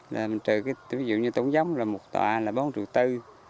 là mình trừ cái ví dụ như tổng giống là một tọa là bốn triệu tư